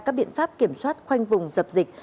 các biện pháp kiểm soát khoanh vùng dập dịch